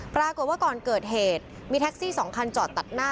ปรากฏว่าก่อนเกิดเหตุมีแท็กซี่๒คันจอดตัดหน้า